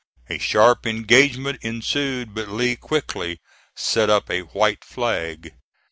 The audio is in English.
A sharp engagement ensued, but Lee quickly set up a white flag.